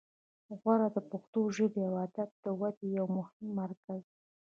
غور د پښتو ژبې او ادب د ودې یو مهم مرکز و